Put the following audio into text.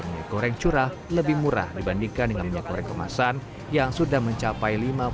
minyak goreng curah lebih murah dibandingkan dengan minyak goreng kemasan yang sudah mencapai